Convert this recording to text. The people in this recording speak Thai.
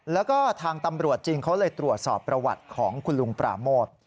แล้วก็ทางตำรวจจริงเขาเลยตรวจสอบประวัติของคุณลุงปราโมท